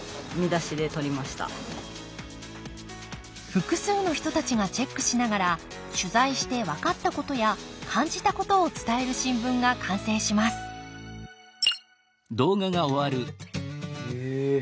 複数の人たちがチェックしながら取材して分かったことや感じたことを伝える新聞が完成しますへえ